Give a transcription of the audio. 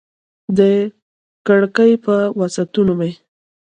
د کړکۍ پر وسعتونو مې